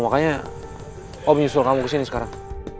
makanya om menyusul kamu ke sini sekarang